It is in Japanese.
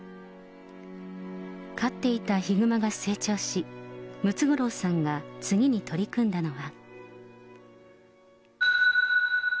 飼っていたヒグマが成長し、ムツゴロウさんが次に取り組んだのは。